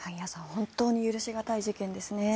本当に許し難い事件ですね。